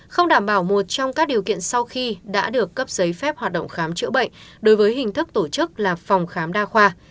không đảm bảo một trong các điều kiện sau khi đã được cấp giấy phép hoạt động khám chữa bệnh đối với hình thức tổ chức là phòng khám đa khoa